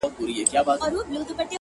• زه چي د شپې خوب كي ږغېږمه دا ـ